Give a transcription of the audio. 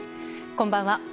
こんばんは。